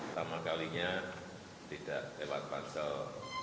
pertama kalinya tidak lewat pansel